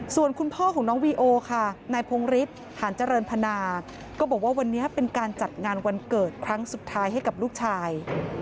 ส่วนคุณพ่อของน้องวีโอค่ะนายพงฤทธิหารเจริญพนาก็บอกว่าวันนี้เป็นการจัดงานวันเกิดครั้งสุดท้ายให้กับลูกชาย